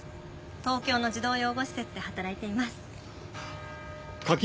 東京の児童養護施設で働いています。